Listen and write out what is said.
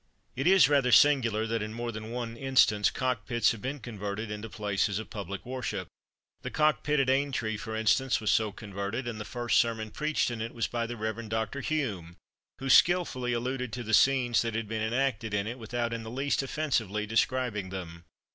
It is rather singular that in more than one instance cock pits have been converted into places of public worship. The cock pit at Aintree, for instance, was so converted; and the first sermon preached in it was by the Rev. Dr. Hume, who skilfully alluded to the scenes that had been enacted in it, without in the least offensively describing them.